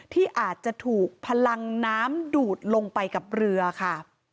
ที่อาจจะถูกพลังน้ำดูดลงไปกับเรือค่ะ